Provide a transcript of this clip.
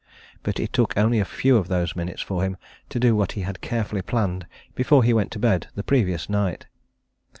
But it took only a few of those minutes for him to do what he had carefully planned before he went to bed the previous night.